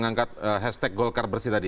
lanjutkan setelah jeda jeda ini kita akan